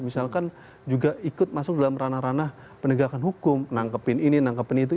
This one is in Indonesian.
misalkan juga ikut masuk dalam ranah ranah penegakan hukum nangkepin ini menangkap ini itu